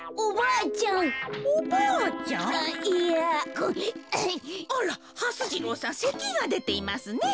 あらはす次郎さんせきがでていますね。